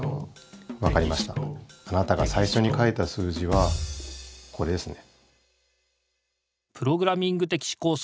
あなたが最初に書いた数字はこれですね。